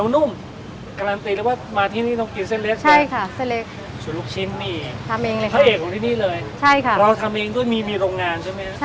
ลูกชิ้นเนื้อกับลูกชิ้นเอ็น